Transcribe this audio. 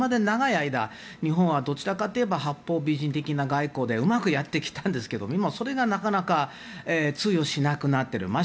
長い間、日本はどちらかといえば八方美人てきな外交でうまくやってきたんですけどそれがなかなか通用しなくなっている。